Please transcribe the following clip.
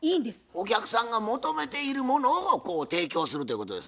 お客さんが求めているものをこう提供するということですな。